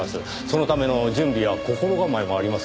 そのための準備や心構えもありますからねぇ。